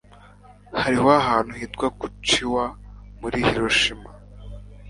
Hariho ahantu hitwa Kuchiwa muri Hiroshima.